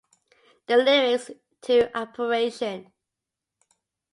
The lyrics to Apparition.